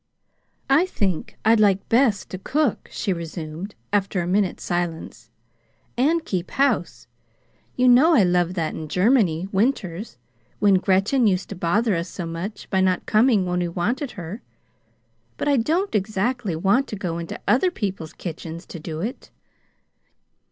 "I think I'd like best to cook," she resumed, after a minute's silence, "and keep house. You know I loved that in Germany winters, when Gretchen used to bother us so much by not coming when we wanted her. But I don't exactly want to go into other people's kitchens to do it."